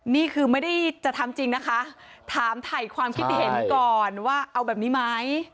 นี่คือไม่ได้จะทำจริงนะคะถามถ่ายความคิดเห็นก่อนว่าเอาแบบนี้ไหม